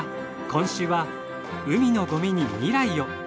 今週は海のごみに未来を！